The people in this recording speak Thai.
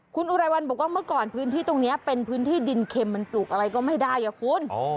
คุณอุไรวันบอกว่าเมื่อก่อนพื้นที่ตรงนี้เป็นพื้นที่ดินเค็มมันปลูกอะไรก็ไม่ได้อะคุณ